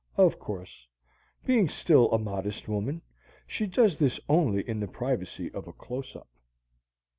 (Of course, being still a modest woman, she does this only in the privacy of a close up.)